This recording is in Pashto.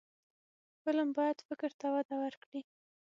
فلم باید فکر ته وده ورکړي